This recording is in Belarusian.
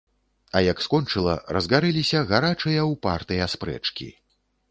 А як скончыла, разгарэліся гарачыя, упартыя спрэчкі.